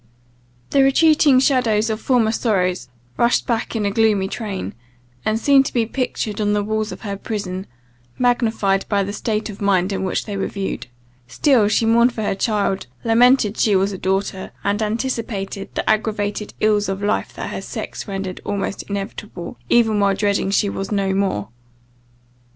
The retreating shadows of former sorrows rushed back in a gloomy train, and seemed to be pictured on the walls of her prison, magnified by the state of mind in which they were viewed Still she mourned for her child, lamented she was a daughter, and anticipated the aggravated ills of life that her sex rendered almost inevitable, even while dreading she was no more.